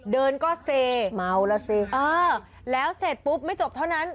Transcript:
เดินก็เซเอ้อแล้วเสร็จปุ๊บไม่จบเท่านั้น